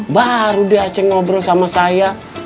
baru dia ceng ngobrol sama saya